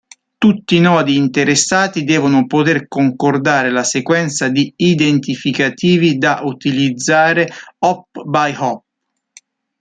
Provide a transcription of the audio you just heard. Tutti i nodi interessati devono poter concordare la sequenza di identificativi da utilizzare "hop-by-hop".